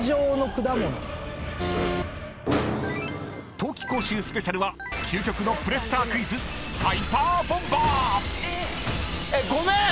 ［冬期講習スペシャルは究極のプレッシャークイズハイパーボンバー！］